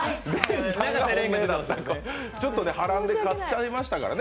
ちょっと波乱で勝っちゃいましたからね。